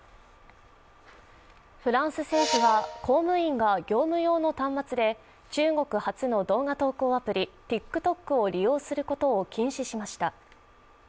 フランス政府は公務員が業務用の端末で中国発の動画投稿アプリ、ＴｉｋＴｏｋを使用することを禁じました。